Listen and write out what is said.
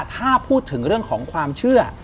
ถ้าพูดถึงเรื่องของความเชื่อ